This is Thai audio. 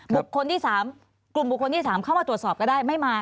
บุคคลที่๓กลุ่มบุคคลที่๓เข้ามาตรวจสอบก็ได้ไม่มา